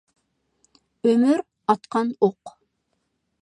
ئۆمۈر ئاتقان ئوق.